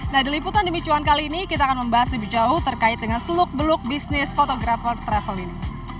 nah di liputan demi cuan kali ini kita akan membahas lebih jauh terkait dengan seluk beluk bisnis fotografer travel ini